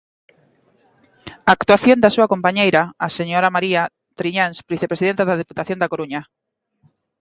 ¿A actuación da súa compañeira, a señora María Triñáns, vicepresidenta da Deputación da Coruña?